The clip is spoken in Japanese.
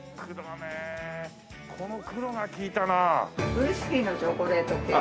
ウイスキーのチョコレートケーキ。